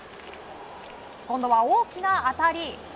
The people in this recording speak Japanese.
今度は大きな当たり。